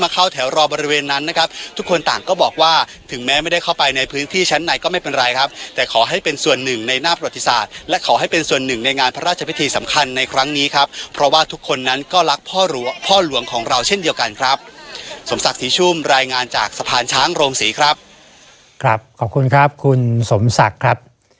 ก็บอกว่าถึงแม้ไม่ได้เข้าไปในพื้นที่ชั้นในก็ไม่เป็นไรครับแต่ขอให้เป็นส่วนหนึ่งในหน้าประวัติศาสตร์และขอให้เป็นส่วนหนึ่งในงานพระราชพิธีสำคัญในครั้งนี้ครับเพราะว่าทุกคนนั้นก็รักพ่อหลวงพ่อหลวงของเราเช่นเดียวกันครับสมศักดิ์ถีชุ่มรายงานจากสะพานช้างโรงศรีครับครั